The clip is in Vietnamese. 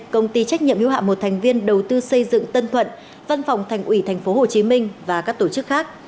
công ty trách nhiệm hữu hạm một thành viên đầu tư xây dựng tân thuận văn phòng thành ủy tp hcm và các tổ chức khác